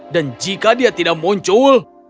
dan jika dia tidak muncul